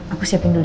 aku siapin dulu ya